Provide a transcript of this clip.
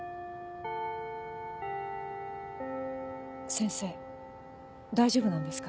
先生大丈夫なんですか？